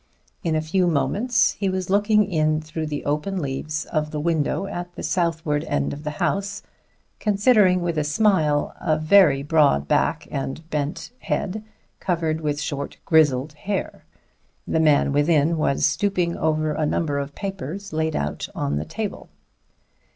In a few moments he was looking in through the open leaves of the window at the southward end of the house, considering with a smile a very broad back and a bent head covered with short grizzled hair. The man within was stooping over a number of papers laid out on the table.